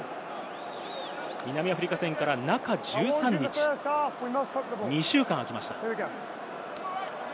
南アフリカ戦から中１３日、２週間あきました。